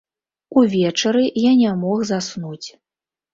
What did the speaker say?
Увечары я не мог заснуць.